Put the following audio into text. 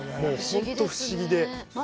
本当不思議で。